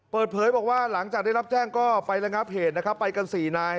เปิดเผยบอกว่าหลังจากได้รับแจ้งก็ไประงับเหตุนะครับไปกันสี่นาย